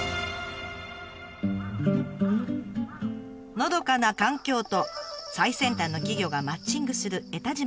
のどかな環境と最先端の企業がマッチングする江田島市。